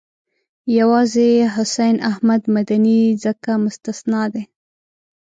یوازې حسین احمد مدني ځکه مستثنی دی.